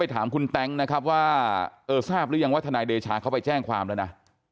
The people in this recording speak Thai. ถามคุณแต๊งนะครับว่าเออทราบหรือยังว่าทนายเดชาเขาไปแจ้งความแล้วนะ